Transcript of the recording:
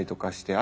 あ。